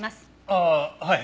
ああはい。